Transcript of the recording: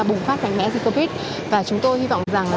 bùng phát hành mẽ dịch covid và chúng tôi hy vọng